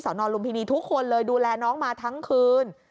นลุมพินีทุกคนเลยดูแลน้องมาทั้งคืน